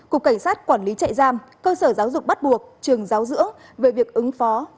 cục cảnh sát quản lý trại giam cơ sở giáo dục bắt buộc trường giáo dưỡng về việc ứng phó